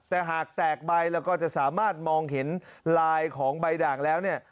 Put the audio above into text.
แต่หากแตกใบแล้วก็จะสามารถมองเห็นลายของใบด่างแล้วเนี่ย